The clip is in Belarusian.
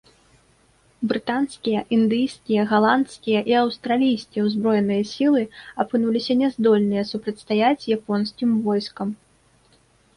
Брытанскія, індыйскія, галандскія і аўстралійскія ўзброеныя сілы апынуліся няздольныя супрацьстаяць японскім войскам.